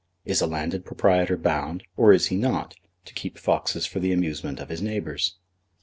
Is a landed proprietor bound, or is he not, to keep foxes for the amusement of his neighbours?